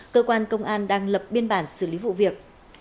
cơ quan công an đang lập biên bản xử lý vụ việc